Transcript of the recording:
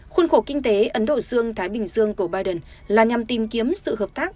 khuôn khổ kinh tế ấn độ dương thái bình dương của biden là nhằm tìm kiếm sự hợp tác